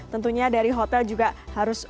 tentunya dari hotel juga harus